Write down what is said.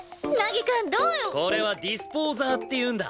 これはディスポーザーっていうんだ。